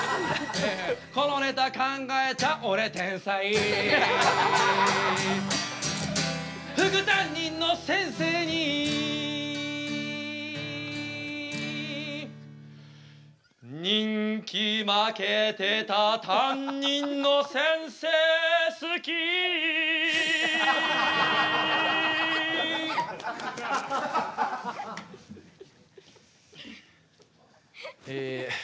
このネタ考えた俺天才副担任の先生に人気負けてた担任の先生好きえ